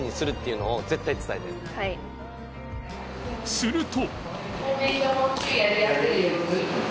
すると